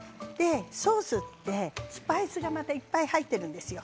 ソースってスパイスいっぱい入っているんですよ。